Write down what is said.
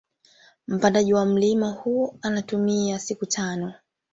Mpandaji wa mlima huu anatumia siku tano